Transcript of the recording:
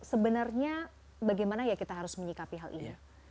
sebenarnya bagaimana ya kita harus menyikapi hal ini